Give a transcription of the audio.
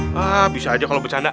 bapak bisa aja kalau bersandak